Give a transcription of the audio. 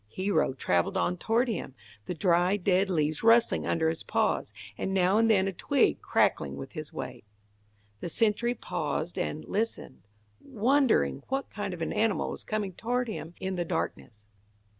Hero travelled on toward him, the dry dead leaves rustling under his paws, and now and then a twig crackling with his weight. The sentry paused and, listened, wondering what kind of an animal was coming toward him in the darkness.